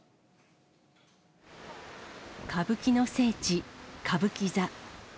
歌舞伎の聖地、歌舞伎座。